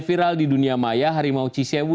viral di dunia maya harimau cisewu